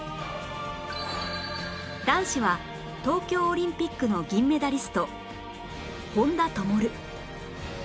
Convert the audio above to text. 男子は東京オリンピックの銀メダリスト本多灯